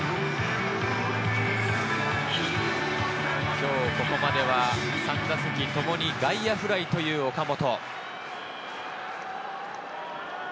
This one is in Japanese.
今日ここまでは３打席ともに外野フライという岡本。